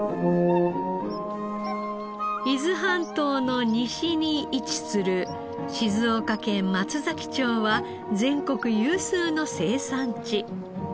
伊豆半島の西に位置する静岡県松崎町は全国有数の生産地。